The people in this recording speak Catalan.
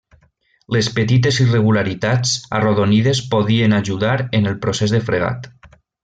Les petites irregularitats arrodonides podien ajudar en el procés de fregat.